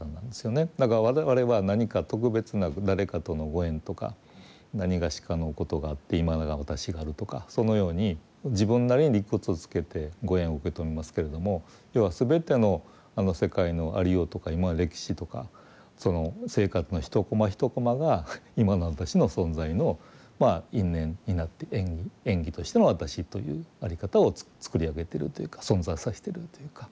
だから我々は何か特別な誰かとのご縁とかなにがしかのことがあって今の私があるとかそのように自分なりに理屈つけてご縁を受け止めますけれども要は全ての世界のありようとか歴史とか生活の１コマ１コマが今の私の存在の因縁になって縁起としての私という在り方をつくり上げているというか存在させているというか。